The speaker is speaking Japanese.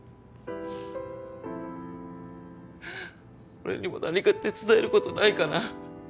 俺にも何か手伝えることないかな？